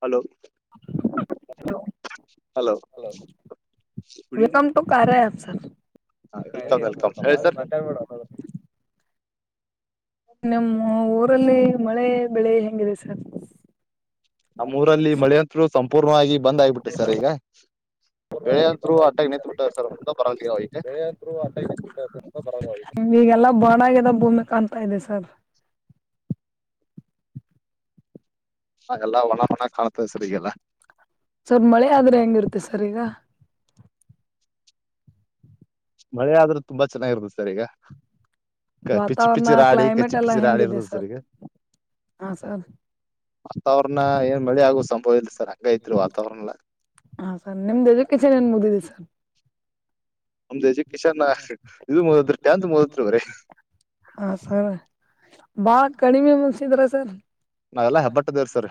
Hello [inaudible] hello welcome to Karya app sir welcome welcome ಹೇಳಿ sir [unintelligible] ನಿಮ್ಮ ಊರಲ್ಲಿ ಮಳೆ ಬೆಳೆ ಹೆಂಗಿದೆ ಸರ್. ನಮ್ಮ ಊರಲ್ಲಿ ಮಳೆಯಂತ್ರು ಸಂಪೂರ್ವಾಗಿ ಬಂದ ಆಗಬಿಟ್ಟೆ ಸರ್ ಈಗ ಬೆಳೆ ಅಂತ್ರು ಆಟಾಗಿ ನಿಂತ್ ಬಿಟ್ಟವ್ ಸರ್ [unintelligible] ಈಗೆಲ್ಲ ಬಣಗ್ಯದ ಭೂಮಿ ಕಾಣ್ತಾ ಇದೆ ಸರ್. ಎಲ್ಲ ಒಣ ಬಣ ಕಾಣ್ತದೆ ಸರ್ ಈಗೆಲ್ಲ ಸ್ವಲ್ಪ್ ಮಳೆ ಆದ್ರೆ ಹೆಂಗಿರುತ್ತೆ ಸರ್ ಈಗ ಮಳೆ ಆದ್ರೆ ತುಂಬಾ ಚೆನ್ನಾಗಿರುತ್ತದೆ ಸರ್ ಈಗ. ಕ ಪಿಚ್ಚಿ ವಾತಾವರಣ ಪಿಚ್ಚಿ ರಾಡಿ ಕ್ಲೈಮೇಟ್ ಕಚ್ಚಿ ಎಲ್ಲಾ ಪಿಚ್ಚಿ ರಾಡಿ ಹೆಂಗಿದೆ ಇರ್ತದ್ ಸರ್ ಈಗ. ಹಾ ಸರ್ ವಾತಾವರಣ ಏನ್ ಮಳಿ ಆಗುವ ಸಂಭವ ಇಲ್ರಿ ಸರ್ ಹಂಗ ಐತ್ರಿ ವಾತಾವರಣ ಏಲ್ಲ. ಹಾ ಸರ್ ನಿಮ್ದ್ ಎಜುಕೇಶನ್ ಏನ್ ಮುಗ್ದಿದೆ ಸರ್. ನಮ್ದ ಎಜುಕೇಶನ್ ಇದ್ ಮುಗುದ್ರ ಟೆಂತ್ ಮುಗಿತದ್ರಿ. ಹ ಸರ್ ಬಾಳ ಕಡಿಮೆ ಮುನ್ಸಿದ್ರ ಸರ್. ನಾವೆಲ್ಲ ಹೆಬ್ಬಟ್ಟದವ್ರ್ ಸರ್.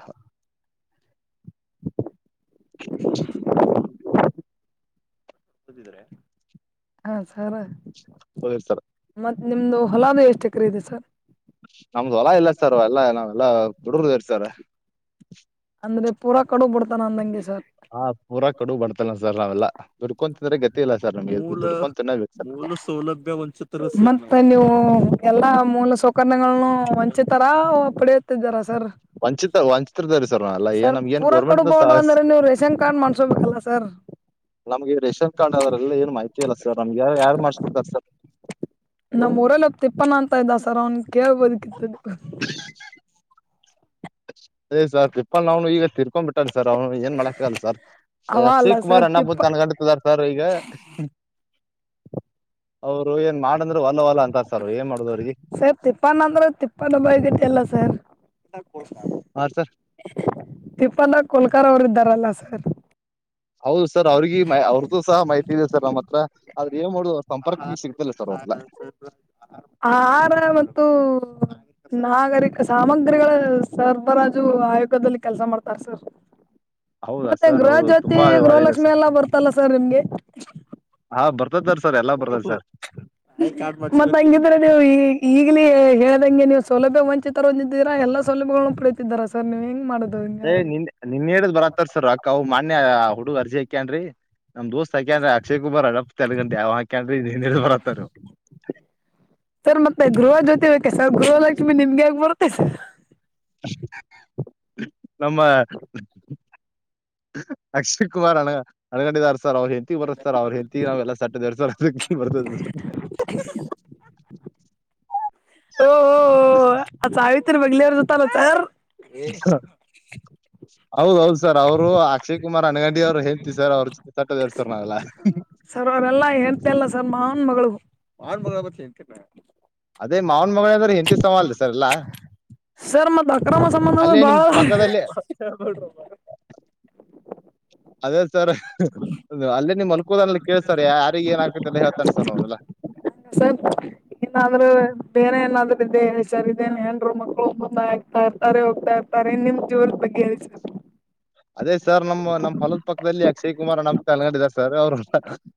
ಹಾ ಸರ ಹೋಗಿರ್ತರ ಮತ್ತತ್ ನಿಮ್ದು ಹೊಲದ ಎಷ್ಟು ಎಕರೆ ಇದೆ ಸರ್ ನಮ್ದು ಹೊಲ ಇಲ್ಲ ಸರ್ ಎಲ್ಲಾ ನಾವ್ ಎಲ್ಲಾ ಹುಡ್ರದರ್ ಸರ್ ಅಂದ್ರೆ ಪೂರಾ ಕಡು ಬಿಡ್ತಾನ ಅಂದಂಗೆ ಸರ್ ಹಾ ಪೂರ ಕಡು ಬರ್ತಲ್ಲ ಸರ್ ನಾವೆಲ್ಲ ದುಡ್ಕೊಂಡು ತಿಂದ್ರೆ ಗತಿ ಇಲ್ಲ ಸರ್ ನಮ್ಗೆ ದುಡ್ಕೊಂಡು ತಿನ್ನೋಬೇಕು ಸರ್ [unintelligible] ಮತ್ತೆ ನೀವು ಎಲ್ಲಾ ಮೂಲ ಸೌಕ್ಯಗಳನ್ನ ವಂಚಿತರ ಪಡ ಜರ ಸರ್ ವಂಚಿತ ವಂಚಿತರದವ್ರಿ ಸರ್ ನಾವೆಲ್ಲ ಏನ್ ಸರ್ ನಮ್ಗೆ ಏನ್ ಪೂರ ಗೌರ್ಮೆಂಟ್ ಕೊಡ್ಬಹಡ್ರ ಅಂದ್ರೆ ನೀವು ರೇಷನ್ ಕಾರ್ಡ್ ಮಾಡ್ಸೋಬೇಕಲ್ಲ ಸರ್ ನಮ್ಗೆ ರೇಷನ್ ಕಾರ್ಡ್ ಆದದ್ರಲ್ಲ ಏನು ಮಾಹಿತಿ ಇಲ್ಲ ಸರ್ ನಮಗೆ ಯಾರ ಯಾರು ಮಾಡ್ಕೊಡ್ತಾರೆ ಸರ್ ನಮ್ಮ್ ಊಲ್ ಒ ತಿಪ್ಪನ ಅಂತ ಇದ್ದ ಸರ್ ಅವ್ನ್ ಕೇಳ್ಬೋದಕಿತ್ತು ಅದೇ ಸಾರ್ ತ್ಪಾಲ್ ನಾನು ಈಗ ತಿರ್ಕೊಂಡ್ ಬಿಟ್ಟಿ ಸರ್ ಅವ್ನು ಏನ್ ಮಾಡಕ್ಕಲ್ಲ ಸರ್ ಅವ ಅಲ್ಲ ಅಕ್ಷಯ್ ಕುಮಾರ್ ಸರ್ ಅಣ್ಣ ತಿಪ್ಪ ಬತ್ ನನ್ ಗಂಟಾರ್ ಸರ್ ಈಗ ಅವ್ರು ಏನ್ ಮಾಡಂದ್ರರು ವಲ್ಲ ಹೊಲ್ಲ ಅಂತಾರ ಸರ್ ಅವ ಏ ಮಾಡುದ್ ಅವ್ರಿಗೆ ತಿಪ್ಪಾನ ಅಂದ್ರೆ ತಿಪ್ಪನ ಬಗತ್ತಲ್ಲ ಸರ್ ಅವ್ ಸರ್ ತಿಪ್ಪಂದ ಕೊೋಲ್ಕರ್ ಅವರ ಇದ್ದಾರಲ್ಲ ಸರ್ ಹೌದು ಸರ್ ಅವ್ರಗ ಅವ್ರ್ದು ಸಹ ಮಾಹಿತಿ ಇದೆ ಸರ್ ನಮ್ಮ್ ಹತ್ರ ಆದ್ರ ಏನ್ ಮಾಡುದು ಸಂಪರ್ಕನ ಸಿಗ್ತಿಲ್ಲ ಸರ್ ಅವ್ರಲ್ಲ ಆಹಾರ ಮತ್ತು ನಾಗರಿಕ ಸಾಮಗ್ರಿಗಳ ಸರಬರಾಜು ಆಯೋಗದಲ್ಲಿ ಕೆಲ್ಸ ಮಾಡ್ತಾರ ಸರ್ ಹೌದಾ ಮತ್ತೆ ಸರ್ ಗೃಹ ಹೌದು ಜ್ಯೋತಿ ತುಂಬಾ ಒಳ್ಳೇದ ಗೃಹಲಕ್ಷ್ಮಿ ಸರ್ ಎಲ್ಲ ಬರ್ತಲ್ಲ ಸರ್ ನಿಮ್ಗೆ ಹಾ ಬರ್ತದರ್ ಸರ್ ಎಲ್ಲಾ ಬರ್ತದ ಸರ್ ಮತ್ತತ್ ಹಂಗಿದ್ರ ನೀವು ಈ ಈಗ್ಲಿ ಹೇಳ್ದಂಗೆ ನೀವು್ ಸೌಲಭ್ಯ ಒಂಚ ಚ ಹೊಂದಿದ್ದೀರ ಎಲ್ಲ ಸೌಲಭ್ಯಗಳಗಳನ್ನು ಪಡಿಯಿತಿದ್ದಾರ ಸರ್ ನೀವು ಹೆಂಗ್ ಮಾಡ ಏ ನಿನ್ ನಿನ್ ಹೇಳಿದ್ ಬರತ್ತಾರ ಸರ್ ಅಕ್ಕ ಅವ ಮಾನ್ಯ ಹುಡುಗ ಅರ್ಜಿ ಅಾಕ್ಯನ್ ನಮ್ ದೋಸ್ತ್ ಸಾಕಂದ್ರೆ ಅಕ್ಷಯ ಕುಬಾರ್ ಅಡ ತೆಗಂಟ ಯಾವ್ಕಂದ್ರೆ ನೀ ಹೇಳ ಬರತ್ತಾರ ಸರ್ ಮತ್ತೆ ಗೃಹ ಜೊತೆ ಬೇಕ ಸರ್ ಗೃಹಲಕ್ಷ್ಮಿ ನಿಮ್ಗೆ ಆಗ ಬರುತ್ತೆ ಸರ್ ನಮ್ಮ... ಅಕ್ಷಯ್ ಕುಮಾರ್ಣ [unintelligible] ಅಳ್ಗೊಂಡಿದಾರ ಸರ್ ಅವ್ರ ಹೆಂಡ್ತಿ ಬರ ಸರ್ ಅವ್ರ ಹೆಂಡ್ತಿ ನಾವ ಎಲ್ಲ ಸಟ್ಟದ ಎ ಸರ್ ಬರ್ತದರ್ [inaudible] ಓ ಓ ಹೋ ಅ ಸಾವತ್ರಿ ಬಂಗಲಿರ ಜತಲ್ಲ ಸ [unintelligible] ಹಾ ಹೌದೌದು ಸರ್ ಅವರು ಅಕ್ಷಯ್ ಕುಮಾರ್ ಅನಗಂಡಿ ಅವ್ರು ಹೇಳ್ತಿ ಸರ್ ಅವ್ರ ಜೊತೆ ತಟ್ಟದಸರ್ ನಾವೆಲ್ಲ ಸರ್ ಅವರೆಲ್ಲಾ ಎಳ್ಂತ ಇಲ್ಲ ಸರ್ ಮಾನ್ ಮಗನ್ ಅದೇ ಮಾವನ್ ಮಗಳ ಅದ್ರ ಹೆಂತಿ ಸಮ ಅಲ್ ಸರ್ಲ್ಲಾ ಸರ್ ಮತ್ತ ಅಕ್ರಮ ಸಂಬಂಧ ನಿಮ್ ಬಾಳ ಪಕ್ಕದಲ್ಲೇ ಅದೇ ಸರ್ ಅಲ್ಲೇ ನಿಮ್ ಮಲ್ಕೋುದನ್ನಲ್ಲಿ ಕೇಸರ್ ಯಾರಿಗ ಏನ್ ಆಕತಿಲ್ಲಾ ಹೇಳ್ನ್ ಸರ್ ನವನಲ್ಲಾ ಸರ್ ಏನಾದ್ರೆ ಬೇರೆ ಏನಾದ್ರೆ ಇದೇ ಹೆಚಾರಿದ್ದೇ ಏನ್ರು ಮಕ್ಕಳು ಬಂದ ಹೋಗತಾ ಇರ್ತಾರೆ ಹೋಗ್ತಾ ಇರ್ತಾರೆ ನಿಮ್ ಜೋವದ ಬಗ್ಗೆ ಅಸ ಅದೇ ಸರ್ ನಮ್ಮ್ ನಮ್ ಹೊಲದ್ ಪಕ್ಕದಲ್ಲಿ ಅಕ್ಷಯ್ ಕುಮಾರ್ ಅಣ್ಣ ಅಲಂಗಡ್ದ ಸರ್ ಅವ್ರ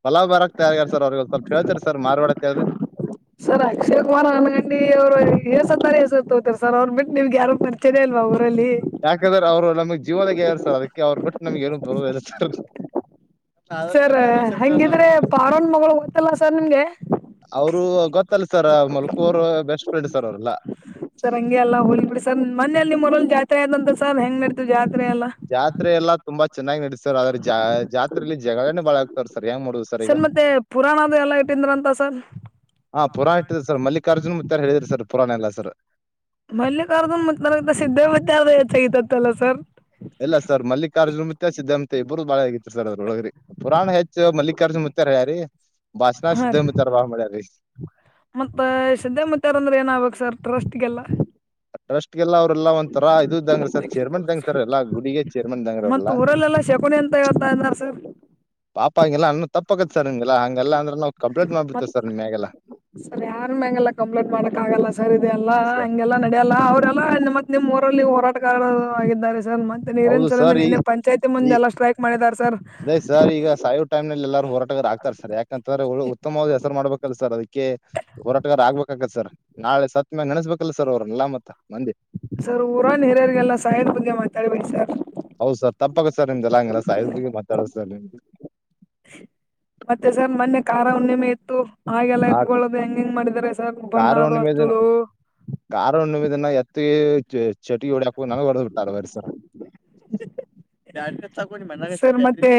ಪಲಾವ್ ಬರಕ್ ತಯಾರಿಾರ ಸರ್ ಅವ್ರಗ ಸ್ವಲ್ಪ ಹೇಳ್ತರಿ ಸರ್ರಾರ್ ಮಾಡಡತ್ತ ಅದು ಸರ್ ಅಕ್ಷಯ್ ಕುಮಾರ್ ಅನ್ಗಂಡಿ ಅವ್ರು ಹೆಸ ತಾರೆ ಹೆಸ ತಗೋತಾರೆ ಸರ್ ಅವ್ರ ಬಿಟ್ಟು ನಿಮ್ಗೆ ಯಾರುರಿಚೆ ಅಲ್ವಾ ಅವರು ಕಲಿ ಯಾಕಂದ್ರೆ ಅವರುಮಗ್ ಜೀವದಾಗ ಹೇಳಾರ ಸರ್ ಅದಕ್ಕೆ ಅವ್ರ ಬಿಟ್ಟ ನಮ್ಗೆ ಏನು ಬೋ ಸರ್ ಹಂಗಿದ್ರೆ ತಾರನ್ ಮಗಳು ಗೊತ್ತಲ್ಲ ಸರ್ ನಿಮ್ಗೆ. ಅವ್ರು ಗೊತ್ತಲ್ಲ ಸರ್ ಮಲ್ಕೋರು ಬೆಸ್ಟ್ ಫ್ರೆಂಡ್ ಸರ್ ಅವ್ರೆಲ್ಲಾ ಸರ್ ಹಂಗೆ ಅಲ್ಲ ಹೋಗಿ ಬಿಡಿ ಸರ್ ಮನ್ನೆ ಅಲ್ ನಿಮ್ಮೂರಲ್ ಜಾತ್ರೆ ಆದ್ ಅಂತ ಸರ್ ಹೆಂಗ್ ನಡತು ಜಾತ್ರೆ ಎಲ್ಲ. ಜಾತ್ರೆ ಎಲ್ಲ ತುಂಬ ಚೆನ್ನಾಗಿ ನಡೀತ್ ಸರ್ ಆದ್ರೆ ಜ ಜಾತ್ರೆಲಿ ಜಗಳನೇ ಬಾಳ ಆಗ್ತರ್ ಸರ್ ಏನ್ ಮಾಡುದ್ ಸ ಸರ್ ಮತ್ತೆ ಪುರಾಣದ ಎಲ್ಲಾ ಇಟ್ಟಿಂದ್ರ ಅಂತ ಸರ್. ಹಾ ಪುರಾಣ ಇಟ್ಟಿದ್ ಸರ್ ಮಲ್ಲಿಕಾರ್ಜುನ್ ಮತ್ತ ಯಾರ ಹೇಳಿದ್ ಸರ್ ಪುರಾಣ ಎಲ್ಲ ಸರ್. ಮಲ್ಲಿಕಾರ್ಜುನ್ ಮತ್ತ್ [unintelligible] ಸಿದ್ದೇ ಮಧ್ಯೆ [unintelligible] ಸರ್ ಇಲ್ಲ ಸರ್ ಮಲ್ಲಿಕಾರ್ಜುನ ಮತ್ಯ ಸಿದ್ಧಾಂತ ಇಬ್ಬರು ಬಾಳ ಆಗಿತ್ತು ಸರ್ ಅದ್ರೊಳಗ್ರಿ ಪುರಾಣ ಹೆಚ್ಚು ಮಲ್ಲಿಕಾರ್ಜುನ್ ಮತ್ತರ್ಯಾರಿ ಭಾಷಣ ಹಾ ರೀ ಸಿದ್ಧಂಬತಾರ್ ಬಾ ಮಾಡ್ಯಾರಿ. ಮತ್ತ ಸಿದ್ದಾಮತ್ಯಾರ್ ಅಂದ್ರೆ ಏನ್ ಆಗ್ಬೇಕ್ ಸರ್ ಟ್ರಸ್ಟ್ಗೆಲ್ಲ. ಟ್ರಸ್ಟ್ ಗೆಲ್ಲ ಅವ್ರಲ್ಲ ಒಂಥರ ಇದು ಇದ್ದಂಗ್ರಿ ಸರ್ ಚೇರ್ಮನ್ ಇದಂಗೆ ಸರ್ ಎಲ್ಲ ಗುಡಿಗೆ ಚೇರ್ಮನ್ ಇದಂಗ್ರಿ ಅವ್ರೆಲ್ಲ. ಚಪುನಿ ಅಂತ ಹೇಳ್ತಾ ಇದೀರಾ ಸರ್. ಪಾಪ ಹಂಗೆಲ್ಲ ಅನ್ನದ್ ತಪ್ಪಗತ್ ಸರ್ ಹಿಗೆಲ್ಲ ಹಂಗೆಲ್ಲ ಅಂದ್ರೆ ನಾವು ಕಂಪ್ಲೇಟ್ ಮಾಡ್ಬಿಡ್ತೀವ್ ಸರ್ ನಿಮ್ಯಾಗೆಲ್ಲ. ಸರಿ ಯಾರ್ ಮ್ಯಾಗೆಲ್ಲ ಕಂಪ್ಲೇಂಟ್ ಮಾಡಕ್ ಆಗಲ್ಲ ಸರ್ ಇದೆಲ್ಲಾ ಸರ್ ಹಂಗೆಲ್ಲಾ ನಡಿಯಲ್ಲ ಅವ್ರೆಲ್ಲ ನಮ್ಮ ನಿಮ್ಮ್ ಊರಲ್ಲಿ ಹೋರಾಟಗಾರರು ಆಗಿದ್ದಾರೆ ಸರ್ ಮ ಸ ನೀರೇನ್ ಹೌದು ಚಲುಮೆ ಸರ್ ಈ ನಿನ್ನೆ ಪಂಚಾಯಿತಿ ಮುಂದೆಲ್ಲ ಸ್ಟ್ರೈಕ್ ಮಾಡಿದ್ದಾರ್ ಸರ್. ಅ ಸರ್ ಈಗ ಸಾಯೋ ಟೈಮ್ಲಲ್ ಎಲ್ಲರು ಹೋರಟಗಾರ ಆಗ್ತಾರ್ ಸರ್ ಯಾಕಂತಂದ್ರ ಉತ್ತಮವಾದ ಹೆಸರು ಮಾಡಬೇ ಕಲ್ಸ್ತರ್ ಅದಿಕ್ಕೆ ಹೋರಾಟಗಾರ ಆಗ್ಬೇಕಾಕತ್ ಸರ್ ನಾಳೆ ಸತ್ ಮ್ಯಾಗ್ ನೆಡೆಸ್ಬೇಕಲ್ಲ ಸರ್ ಅವ್ರನ್ನಲ್ಲ ಮತ್ತ ಮಂದಿ. ಸರ್ ಊರಾನ್ ಹಿರಿಯರಿಗೆಲ್ಲ ಸಾಯದ್ ಬಗ್ಗೆ ಮಾತಾಡ್ಬೇಡಿ ಸರ್. ಹೌದು ಸರ್ ತಪ್ಪಾಗತ್ತ್ ಸರ್ ನಿಮ್ದುಲ್ಲ ಹಂಗಲ್ಲ ಸಾಯದ್ ಬಗ್ಗೆ ಮಾತಾಡದು ಸರ್ ನಿಮ್ಗೆ ಮತ್ತೆ ಸರ್ ಮನ್ನೆ ಖಾರ ಹುಣ್ಣಿಮೆ ಇತ್ತು. ಹಾಗೆಲ್ಲ ಆ ಇತ್ಕೊಳ್ಳದು ಹೆಂಗ್ ಹೆಂಗ್ ಮಾಡಿದ್ದಾರೆ ಸರ್ ಬಣ್ಣ ಕಾರ ಅದು ಹುಣ್ಣಿಮೆ ದಿನ ಹಚ್ಚದು ಕಾರ ಹುಣ್ಣಿಮೆ ದಿನ ಎತ್ತಿಗೆ ಚ ಚಟಿ ಹೊಡಿಯಕು ನನಗ್ ಹೊಡೆದ್ ಬಿಟ್ಟಾರ ಬರೀ ಸರ. ಸರ್ ಮತ್ತೆ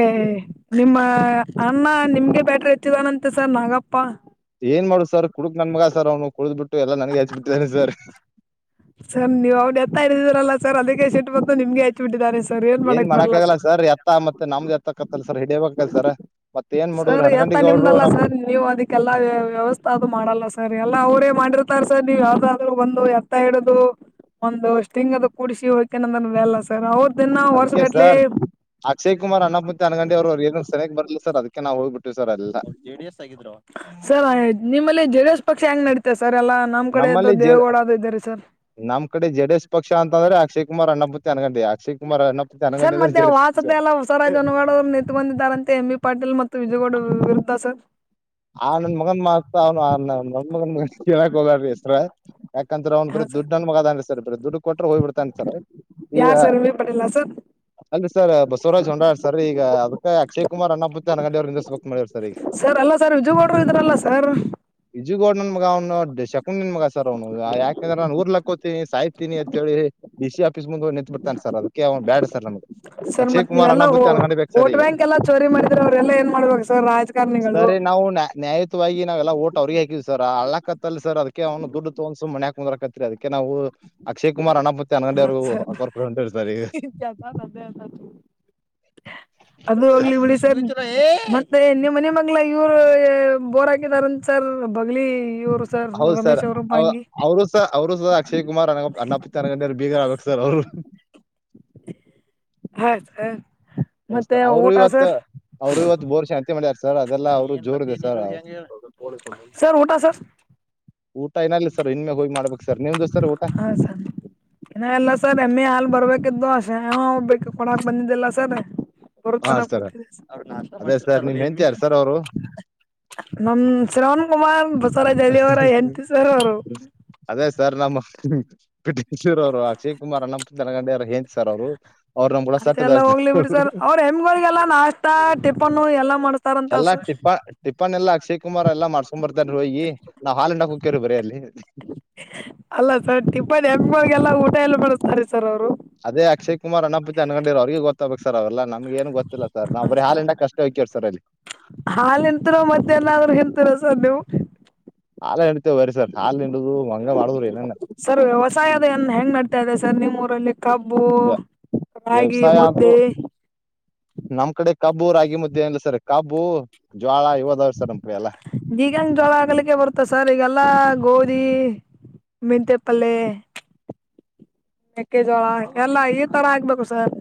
ನಿಮ್ಮ ಅಣ್ಣ ನಿಮ್ಗೆ ಬ್ಯಾಟ್ರಿ ಹೆಚ್ಚಿದಾನಂತೆ ಸರ್ ನಾಗಪ್ಪ ಏನ್ ಮಾಡುದು ಸರ್ ಕುಡುಕ್ ನನ್ ಮಗ ಸರ್ ಅವ್ನು ಕುಡುದ್ ಬಿಟ್ಟು ಎಲ್ಲ ನನಗೆ ಹಚ್ಬ ಬಿಟ್ಟಿದ್ದಾನೆ ಸರ್. ಸರ್ ನೀವು ಅವ್ ಎತ್ತಾ ಇದೀರಲ್ಲ ಸರ್ ಅದಕ್ಕೆ ಸಿಟ್ ಬಂದು ನಿಮ್ಗೆ ತ್ ಬಿಟ್ಟಿದ್ದಾರೆ ಸರ್ ಏ ಏನ್ ಮಾಡಕ್ಕಾಗಲ್ಲ ಸರ್ ಎತ್ತ ಮತ್ತೆ ನಮ್ದು ಎತ್ತಕ್ಕತ್ತಲ್ಲ ಸರ್ ಹಿಡಬೇಕಲ್ ಸರ. ಸರಿ ಎತ್ತ ನಿಮ್ದಲ್ಲ ಸರ್ ನೀವ್ ಅದಿ ಎಲ್ಲಾ ವ್ಯವಸ್ಥೆ ಅದು ಮಾಡಲ್ಲ ಸರ್ ಎಲ್ಲಾ ಅವರೇ ಮಾಡಿರ್ತಾರ ಸರ್ ನೀವ್ ಯಾವ್ದಾದ್ರು ಬಂದು ಎತ್ತ ಹಿಡುದು ಒಂದಷ್ಟು ಹಿಂಗದ ಕುಡಸಿ ಹೋಕ್ಕಿನ್ ಅಂದಾನ್ ಮ್ಯಾಲಸ್ ಸರ್ ಅವ್ರ್ ದಿನ್ನ ವರ್ಷ ಅದಕ್ಕೆ ಗಟ್ಲಿ ತಾನಗಂಡಿ ಅವ್ರ್ ಅವ್ರುಗ್ ಏನು ಸರ್ಯಗ್ ಬರ್ಲಿಲ್ಲ ಸರ್ ಅದ್ಕೆ ನಾವು ಹೋಗಿ ಬಿಟ್ವಿ ಸರ್ ಅಲ್ಲೆಲ್ಲ ಜೆ ಡಿ ಎಸ್ ಆಗಿದ್ರು ಸರ್ ನಿಮ್ಮಲ್ಲಿ ಜೆ ಡಿ ಎಸ್ ಪಕ್ಷ ಹೆಂಗ್ ನಡತೆ ಸರ್ ಎಲ್ಲ ನಮ್ ಕಡೆ ಎದೋ ನಮ್ಮಲ್ಲಿ ಜೆ ದೇವೇಗೌಡ ಅದು ಇದ್ದರಿ ಸರ್. ನಮ್ ಕಡೆ ಜೆ ಡಿ ಎಸ್ ಪಕ್ಷ ಅಂತ ಅಂದ್ರ ಅಕ್ಷಯ ಕುಮಾರ್ ಅಣ್ಣ ಬೂತಿ ಅನ್ಗದ್ದಿಯಾ ಶ್ ಕುಮಾರಣ್ಣ ಅನಗಂಡಿ ಅಂದ್ರ ಜೆ ಡಿ ಎಸ್ [unintelligible] ಸರ್ ಅನ್ವಡ ಅವ್ರು ನಿತ್ತ್ ಕೊಂದಿದ್ದಾರಂತೆ ಎಂ ಬಿ ಪಾಟೀಲ್ ಮತ್ತು ವಿಜೇಗೌಡ ವಿ ವಿರುದ್ಧ ಸರ್. ಆ ನನ್ ಮಗನ್ ಮಾತ್ ಅವ್ನು ನನ್ ಮಗನ್ ಹೇಳಕ್ ಹೋಗ್ಬ್ಯಾಡ್ರಿ ಹೆಸರ. ಯಾಕಂದ್ರ ಅವ್ನು ಹಾ ಬರೀ ಸರ್ ದುಡ್ಡ ನನ್ ಮಗ ಅದಾನ್ರಿ ಸರ್ ಬರ ದುಡ್ ಕೊಟ್ಟ್ರೆ ಹೋಗ್ಬ ಬಿಡ್ತಾನ್ ಸರ್ ಈಗ ಯಾರ್ sir M B Patil sir ಅಲ್ಲಿ ಸರ್ ಬಸವರಾಜ್ ಹೋಂಡಾಡ್ ಸರ್ ಈಗ ಅದಕ್ಕೆ ಅಕ್ಷಯ ಕುಮಾರ್ ಅಣಬುತ್ತಿ ಅನಂಗಂಡಿ ಅವ್ರ ನಿಂದಿಸ್ಬಕ್ ಮಾಡೀವ್ ಸರ್ ಈಗ. ಸರ್ ಅಲ್ಲ ಸರ್ ವಿಜುಗೌಡರು ಇದ್ರಲ್ಲ ಸರ್ ವಿಜೂಗೌಡ್ ನನ್ ಮಗ ಅವ್ನ ಬೇಷ ಹ್ ನಿನ್ ಮಗ ಸರ್ ಅವ್ನು ಯಾಕಂದ್ರ ನು ಊರ್ ಕ್ಕೋತೀಿ ಸಾಯ್ತೀನಿ ಅಂತೇಳಿ ಡಿ ಸಿ ಆಫೀಸ್ ಮುಂದ ನಿಂತತ್ ಬಿಡ್ತೆ ಸರ್ ಅದು ಅವ್ ಬೇಡ್ ಸರ್ ನಮಗೆ ಸರ್ ಮತ್ ನೀವೆಲ್ಲಾ ವೋಟ್ ಈಗ ಬ್ಯಾಂಕ್ ಎಲ್ಲಾ ಚೋರಿ ಮಾಡಿದ್ರೆ ಅವ್ರೆಲ್ಲಾ ಏನ್ ಮಾಡ್ಬೇಕ ಸರ್ ರಾಜಕಾರಣಿಗಳು ನ್ಯಾಯುವಾಗಿ ನಾವೆಲ್ಲ ಓಟ್ ಅವ್ರಿಗೆ ಹಾಕಿದ್ ಸರ್ ಅ ಹಾಕತ್ತಲ್ಲಿ ಸರ್ ಅದಕ್ಕೆ ಅವ್ ಡ್ಡು ತೋ್ ಮೆ ಹಾಕ್ ಮುದರಕತ್ರಿ ಅದಕ್ಕೆ ನಾವು ಅಕ್ಷಯ್ ಕುಮಾರ್ ಹಣಪತಿ ಹ ಅದು ಹೋಗ್ಲಿ ಬಿಡ ಸರ್ ಮತ್ತೆ ನೀವ್ ಮನ ಮಂಗ್ಲ ಇವ್ರು ಬೋರ್ ಹಾಕಿದಾರಂತ ಸರ್ ಬಗ್ಲಿ ಇವ್ರು ಸರ್ ರಮೇಶ್ ಅವರುಮ್ಮಂಗಿ ಸ ಅವರು ಸಹ ಅಕ್ಷಯ ಕುಮಾರ್ ಅ ಅನ್ನಪ್ಪತ್ತು ನನಕ ಗನರು ಬೀಗರ್ ಆಗ್ಬೇಕು ಸರ್ ಅವರು ಹಯ ಸ ಹೌದ್ ಮತ್ತೆ ಸರ್ ಅವ್ರು ಊಟ ಇವತ್ತ ಸರ್ ಅವ್ರು ಇವತ್ತು ಬೋರ್ ಶಾಂತಿ ಮಾಡ್ಯಾರ ಸರ್ ಅದೆಲ್ಲಾ ಸುನೆ ಅವ್ರು ಏನ್ ಜೋರ್ ಬರ್ತ ಇದೆ ನೀ ಸರ್ ಹೆಂಗ ಸರ್ ಊಟಾ ಸರ್ ಊಟ ಏನಲ್ಲ ಸರ್ ಇನ್ಮೆ ಹೋಗಿ ಮಾಡ್ಬೇಕಕ್ ಸರ್ ನಿಮ್ದು ಸರ್ ಊಟ ಇ ಎಲ್ಲ ಸರ್ ಎಮ್ಮೆ ಹಾಲ್ ಬರ್ಬೇಕಿದ್ದುೆಾವ ಬ ಕೊಡಕ್ ಬಂದಿದ್ದಲ್ಲ ಸರ್ ಹಾ ಬರ್ತಾನ ಸರ್ ಕೂತ ಅವ್ರು ನಾಶ ಅದೇ ಸರ್ ನಿಮ್ ಹೆಂಡ್ತಿ ಮಾಡ್ತಿರ್ತಾರಲ್ಲಮಗೆ ಯಾರ್ ಸರ್ ಅವರು ನಮ್ ಶ್ರವಣ್ ಕುಮಾರ್ ಬಸವರಾಜ್ಳ್ಳಿಯ ಅವರ ಎಂತ ಸರ ಅವರು ಅದೇ ಸರ್ ನಮ್ಮ ಕಟೂರ್ ಅವರು ಅಕ್ಷಯ್ ಕುಮಾರ್ ಅನ್ನ ಜನಗಂಡಾರ ಹೆಂತ ಸರ್ ಅವ್ರು ನಮ್ ಕೂಡ ಸಟ್ ಅತ್ತ ಎಲ್ಲ ಇದಾರ ಹೋಗ್ಲಿ ಬಿಡ್ ಸರ್ ಅವ್ರು ಹೆಮ್ಗಿಗೆಲ್ಲಾ ನಾಷ್ಟಾ ಟಿಫನ್ ಎಲ್ಲಾ ಮಾಡ್ಸ್ತಾರ ಅಂತಸ ಟಪ್ಪನ್ ಎಲ್ಲ ಅಕ್ಷಯ ಕುಮಾರ್ ಎಲ್ಲ ಮಾಡ್ಸ್ಕೊಂಡ್ ಬರ್ತಾರ ಹೋಗಿ ನಾವವು ಹಾಲ ಹಂಡಾಕ್ ಕುಕ್ಯರರಿ ಬರರಿ ಅಲ್ಲಿ ಅಲ್ಲ ಸರ್ ಟಿಪ್ಪನ್ ಹೆಂಪಗಳಳಗೆಲ್ಲ ಊಟ ಎಲ್ಲ ಮಾಡಿಸತಾರೆ ಸರ್ ಅವ್ರು ಅದೇ ಅಕ್ಷಯ ಕುಮಾರ್ ಅಣ್ಣಪ್ಪು ಅೊಂಡರ ಅವರಿಗೆ ಗೊ ತಕ್ ಸರ್ ಅವ್ರಲ್ಲ ನಮ್ ಏನು ಗೊತ್ತಿಲ್ಲ ಸರ್ ನಾ ಬ್ರ ಹಾಲಂಡಿಂದ ಕಷ್ಟ ಹೋಗ್ಯರ್ ಸರ್ ಅಲ್ಲಿ ಹಾಲ್ ನಿಂತರ ಮತ್ತೆನಾದ್ರೂ ಎಂತರ ಸರ್ ನೀವು ಹಾ ಹಂಡಡ್ತೆೇವೆ ಬರಿ ಸರ್ ಹಾಲ್ ನಿಡಿದ್ ಮಂಗ ಮಾಡಿದ್ರು ಏನ ಸರ್ ವ್ಯವಸಾಯದನ್ ಹೆಂಗ್ ನಡ್ತಾ ಇದೆ ಸರ್ ನಿಮ್ಮ್ ಊರಲ್ಲಿ ಕಬ್ಬು ರಾಗಿ ವ್ಯವಸಾಯ ಅಂತೂ ಮುದ್ದೆ ನಮ್ ಕಡೆ ಕಬ್ಬು ರಾಗಿ ಮುದ್ದೆ ಲ್ಲ ಸರ್ ಕಬ್ಬು ಜ್ಳ ಇವದಾವ್ರೆ ಸರ್ ನಪ ಎಲ್ಲ ಬೀಗನ್ ಜಳ ಆಗ್ಲಿಕ್ಕೆ ಬರ್ತ್ತ ಸರ್ ಈಗಲ್ಲಾ ಗೋಧಿ ಮಂತೆ ಪಾಲೇ ಮೆಕ್ಕೆಜೋಳ ಎಲ್ಲ ಈ ತರ ಆಗ್ಬೇಕು ಸರ್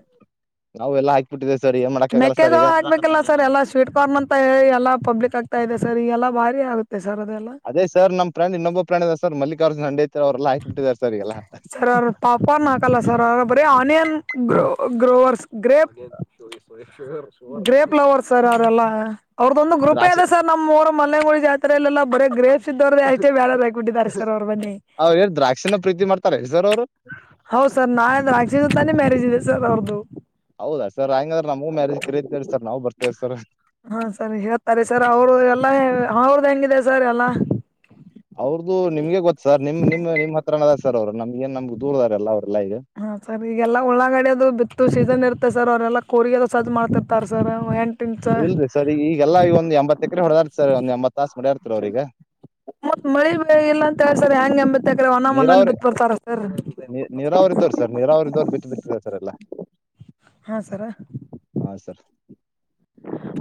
ನಾವವು ಎಲ್ಲ ಹಾಕ್ಬಿಟ್ಟಿದೆ ಸ ಈಗ ಮಾಡಕಾಗಲ್ಲ ಸ ಈಗ ಲ್ಲ ಸರ್ ಎಲ್ಲಾ ಸ್ವೀಟ್ ಕಾರ್ನ್ ಅಂತ ಎಲ್ಲ ಪಬ್ಲಿಕ್ ಆಗ್ತಾ ಇದೆ ಸರ್ ಈಲ್ಲ ಭಾರಿ ಆಗುತ್ತೆ ಸರ್ ಅದೆಲ್ಲ ಅದೇ ಸರ್ ನಮ್ಮ್ ಪ್ರಂಡ್ ಇನ್ನೊಬ್ಬ ಪ್ರಾಣ್ ಅ ಸರ್ ಮಲ್ಲಿಕಾರ್ಜುನ ಹಂಡೆ ತಾರೆ ಅವ್ರರೆಲ್ಲಾ ಹಾಕಕ್ಬಿಟ್ಟಿದ ಸರ್ರಿಗೆಲ್ಲ ಬಣಕಲ್ಲ ಸರ್ ಅ ಬರ ಆನಿಯನ್ ಗೋ ಗ್ರೋವರ್ಸ್ ಗ್ರೇಪ್ ಗ್ರೇಪ್್ಲವರ್ ಸರ್ ಯ್ರಲ್ಲ ಅವ್ರದೊಂದು ಗ್ರೂಪೇ ದ್ರಾಕ್ಷಿ ಇದೆ ಸರ್ ನಮ್ಮ್ಊರು ಮನೆಗಳುಿ ಜಾತ್ರೆಲ್ಲ ಬೇ ಗ್ರೇಸ್ ಇದವ್ರದ ಅಷ್ಟೇ ಬೇ್ಯಾ ಬೇಕ ಗುಡಿಿ ತರಸ್ಕರ ಅವರ ಬನ್ನಿ ಅವ್ರ ಏನ್ ದ್ರಾಕ್ಷಿನ ಪ್ರೀತಿ ಮಾಡ್ತಾರೆ ಸರ್ ಅವ್ರು ಹೌದ ಸರ್ ನಾ ರಾಕ್ಷಸ ತಾನೇ ಮ್ಯಾರೇಜ್ ಇದೆ ಸರ್ ಅವ್ರ್ದು ಹೌದಾ ಸ ಹ ಹೆಂಗಂದ್ರೆ ನಮಗೂ ಮ್ಯಾರೇಜ್ ಕರೀತೇಿ ಸರ್ ನಾವು ಬರ್ತೇವಿ ಸರ್ ಹಾ ಸರಿ ಹೇಳ್ತಾರೆ ಸರ್ ಅವರು ಎಲ್ಲಾ ಅವ್ರ್ದ ಹೆಂಗಿದೆ ಸರ್ ಎಲ್ಲಾ ಅವ್ರದ್ದುಮಗೆ ಗೊತ್ತ ಸ ನಿಮ್ ನಿಮ್ ನಿಮ್ಮ ಹತ್ರ ಅದ ಸರ್ ಅವ್ರು ನಮ್ಗಏನ್ ನಮ್ಗೆ ದೂರದಾರಲ್ಲ ಅವ್ರಲ್ಲ ಈಗ ಹಾ ಸರ್ ಈಗೆಲ್ಲಾ ಉಳ್ಳಂಗಡ ಅದು ಬಿತ್ತು ಸೀಸನ್ ಇರ್ತ್ತತೆ ಸರ್ ಅವ್ರೆಲ್ಲ ಕೂಗ ಅದ ಸರ್ಜ್ ಮಾಡ್ತಿರ್ತಾರ ಸರ್ ಎ ಇಲ್ರಿ ಸರ್ ಈಗಲ್ಲ ಈ ಒಂದು ಎಂಬತ್ತ ಎಕರೆ ಹೊಡೆದಾರತಿ ಸರ್ ಒಂದ ಎಂಬತ್ ತಾಸ ಮಾಡಡ್ಯರ್ತಿರ ಅವ್ರೀಗ ಮತ್ ಮಳಿ ಇಲ್ಲ ಅಂತ ಹೇಳ್ತಾರೆ ಹೆಂಗೆ ಅಂಬ ಮೆಕ್ರ ಅಣಾಮನಲ್ಲಿ ನೀರಾವರಿ ಬಿತ್ ಬರ್ತಾರ ಸರ್ ನೀರಾವ್ರ ಇದ್ರು ಬಿು ಬಿಟ್ಟಿದ ಸರ್ ಎಲ್ಲ ಹಾ ಸರ ಹಾ ಸರ್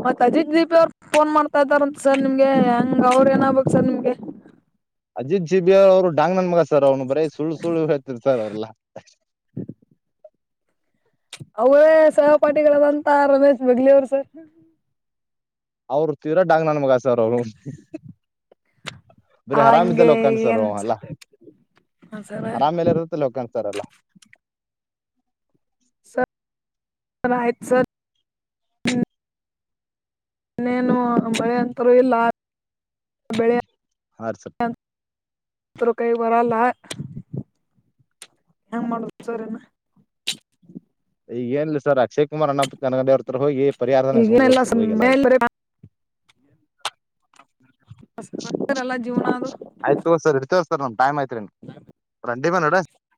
ಮತ್ ಅಜಿತ್ ದೀಪಿ ಅವ್ರು ಫೋನ್ ಮಾಡ್ತಾ ಇದ್ದಾರಂತೆ ಸರ್ ನಿಮ್ಗೆ ಹೆಂಗ ಅವ್ರ ಏನಾಗ್ಬೇಕಕ್ ಸರ್ ನಿಮ್ಗೆ ಅಜಿತ್ ಜಿ ಬಿಿಯ ಅವರುಡಾಂಗ್ ನನ್ ಮಗ ಸರ್ ಅವ್ನು ಬರ ಸು ಸುಳ್ಳು ಹೇಳ್ತಿರ್ ಸರ್ ಅವ್ರಲ್ಲ [inaudible] ಅವರೇ ಸಹಪಾಠಿಗಳದಂತ ರಮೇಶ್ ಬಗ್ಲಿ ಅವರು ಸ ಅವರು ತೀರಾ ಡಾಂಗ್ ನನ್ ಮಗಸರ್ ಅವ್ರು ಬರೀ ಹಂಗೆ ಆರಾಮ್ದಲ್ಲ ಕಾಣ್ಸರು ಏನ್ ಅಲ್ಲ ಸರ್ ಹಾ ಸರ್ ಆರಾಮ್ ಎಲ್ಲಿ ಇರುತ್ತ ಲೋಕಾಂತರಲ್ಲ ಸರ್ ಸಯ ಸರ್ ಇನ್ನೇನು ಮಳೆ ಅಂತರುೂ ಇಲ್ಲ ಬೆಳೆ ಹಾ ಸರ್ ಕೈ ವರಲ್ಲ ಹೆಂಗ್ ಮಾಡುದು ಸರಿನ ಈಗ ಏನ್ ಲ್ಲ ಸರ್ ಅಕ್ಷಯ್ ಕುಮಾರ್ ಅಣ್ಣಪ್ಪ ನನಗಡೆ ಹೊರ್ತರ್ ಹೋಗಿ ಪರಿಹಾರ ನೆಸ್ಕೊಂಡ್ ಹು ಈಗೇನೆಲ್ಲ ಸರ್ ಹೋಗಿ ಎಲ್ಲ ಈಗ ಮೇಲೆ ತರೆ ಎಲ್ಲಾ ಜೀವನ ಅದು ಆಯ್ತ ತೋ್ ಸರ್ ಇರ್ತ ತೋ್ ಸರ್ ನಮ ಮ್ ಆಯಐತ್ರಿ ರಂಡಿ ಬ ನೋಡ